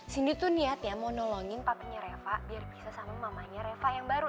cindy tuh niat ya mau nolongin pabriknya reva biar bisa sama mamanya reva yang baru